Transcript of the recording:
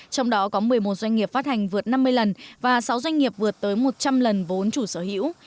trong đó có một mươi một doanh nghiệp phát hành vượt năm mươi lần và sáu doanh nghiệp vượt tới một trăm linh lần vốn chủ sở hữu